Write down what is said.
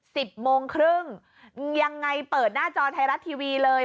สิบโมงครึ่งยังไงเปิดหน้าจอไทยรัฐทีวีเลย